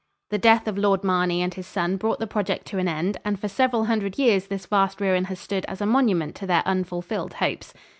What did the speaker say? The death of Lord Marney and his son brought the project to an end and for several hundred years this vast ruin has stood as a monument to their unfulfilled hopes.